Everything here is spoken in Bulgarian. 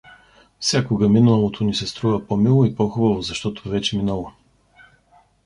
Всякога миналото ни се струва по-мило и по-хубаво, защото е вече минало.